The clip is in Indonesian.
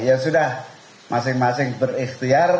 ya sudah masing masing berikhtiar